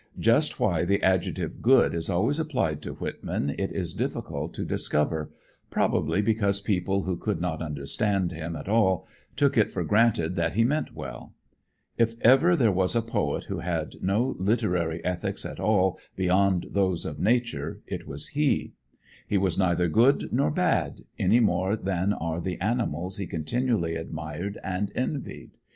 Just why the adjective good is always applied to Whitman it is difficult to discover, probably because people who could not understand him at all took it for granted that he meant well. If ever there was a poet who had no literary ethics at all beyond those of nature, it was he. He was neither good nor bad, any more than are the animals he continually admired and envied.